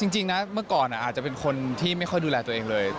จริงนะเมื่อก่อนอาจจะเป็นคนที่ไม่ค่อยดูแลตัวเองเลย